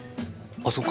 あそうか。